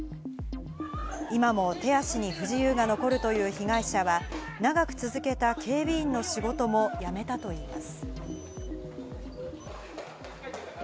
今も手足に不自由が残るという被害者は、長く続けた警備員の仕事もやめたといいます。